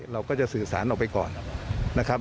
เราก็จะสื่อสารออกไปก่อนนะครับ